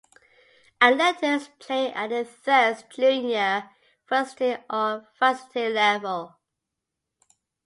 Athletes play at the thirds, junior varsity or varsity level.